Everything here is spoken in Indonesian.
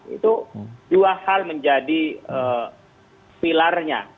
itu dua hal menjadi pilarnya